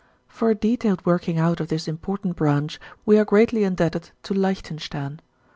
For a detailed working out of this important branch we are greatly indebted to Leichtenstern.